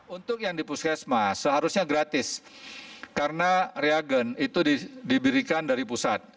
untuk yang di puskesmas seharusnya gratis karena reagen itu diberikan dari pusat